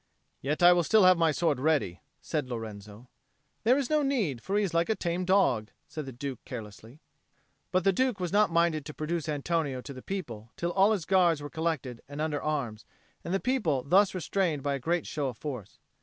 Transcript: "Yet I will still have my sword ready," said Lorenzo. "There is no need; he is like a tame dog," said the Duke carelessly. But the Duke was not minded to produce Antonio to the people till all his Guards were collected and under arms, and the people thus restrained by a great show of force.